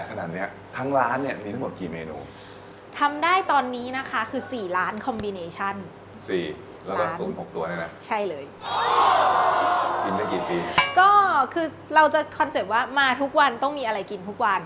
ก็คือเราจะคอนเซ็ปต์ว่ามาทุกวันต้องมีอะไรกินทุกวัน